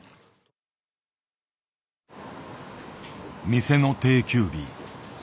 店の定休日。